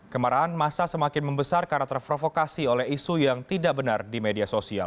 kemarahan masa semakin membesar karena terprovokasi oleh isu yang tidak benar di media sosial